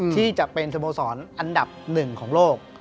ที่จะเป็นสโมสรอันดับหนึ่งของโลก